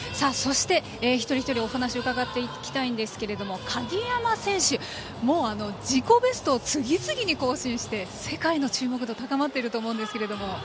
そして一人一人お話を伺っていきたいんですが鍵山選手、自己ベストを次々に更新していて世界の注目度が高まっていると思うんですが。